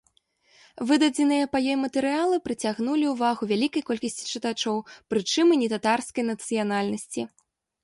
Выдадзеныя па ёй матэрыялы прыцягнулі ўвагу вялікай колькасці чытачоў, прычым і нетатарскай нацыянальнасці.